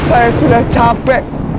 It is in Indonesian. saya sudah capek